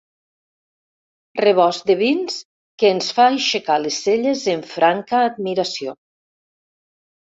Rebost de vins que ens fa aixecar les celles en franca admiració.